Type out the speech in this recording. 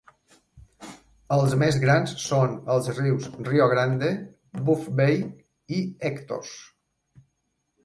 Els més grans són els rius Rio Grande, Buff Bay i Hectors.